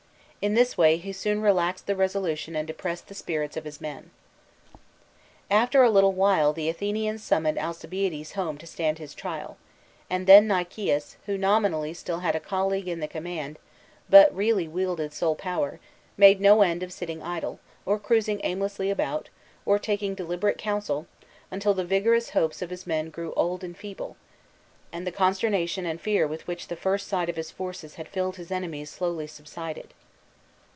In this way he soon relaxed the resolution and depressed the spirits of his men. After a little while the Athenians summoned Alci biades home to stand his trial, and then Nicias, who nominally had still a colleague in the command, but really wielded sole power, made no end of sitting idle, or cruising aimlessly about, or taking deliberate counsel, until the vigorous hopes of his men grew old and feeble, and the consternation and fear with which the first sight of his forces had filled his enemies slowly subsided.